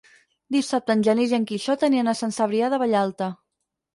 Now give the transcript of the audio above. Dissabte en Genís i en Quixot aniran a Sant Cebrià de Vallalta.